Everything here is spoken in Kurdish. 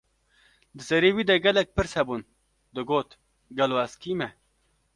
Di serê wî de gelek pirs hebûn, digot: Gelo, ez kî me?